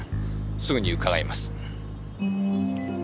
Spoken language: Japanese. すぐに伺います。